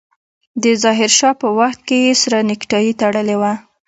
د ظاهر شاه په وخت کې يې سره نيکټايي تړلې وه.